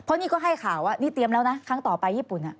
เพราะนี่ก็ให้ข่าวว่านี่เตรียมแล้วนะครั้งต่อไปญี่ปุ่น